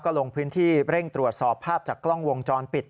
ลงพื้นที่เร่งตรวจสอบภาพจากกล้องวงจรปิด